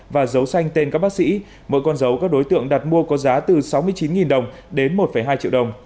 và giấu xanh tên các bác sĩ mỗi con dấu các đối tượng đặt mua có giá từ sáu mươi chín đồng đến một hai triệu đồng